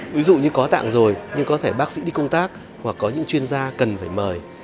ví dụ như có tạng rồi nhưng có thể bác sĩ đi công tác hoặc có những chuyên gia cần phải mời